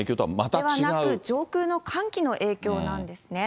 ではなく、上空の寒気の影響なんですね。